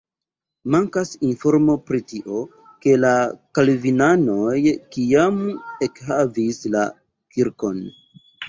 Mankas informo pri tio, ke la kalvinanoj kiam ekhavis la kirkon.